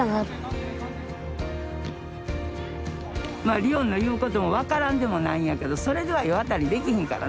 まあリオンの言うことも分からんでもないんやけどそれでは世渡りできひんからね